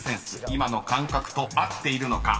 今の感覚と合っているのか？］